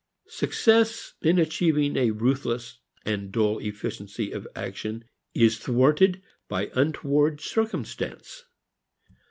Success in achieving a ruthless and dull efficiency of action is thwarted by untoward circumstance.